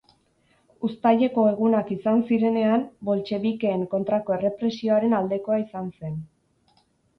Uztaileko Egunak izan zirenean, boltxebikeen kontrako errepresioaren aldekoa izan zen.